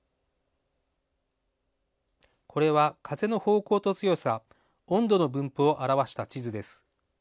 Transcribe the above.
これは風の方向と強さ温度の分布を表した地図です。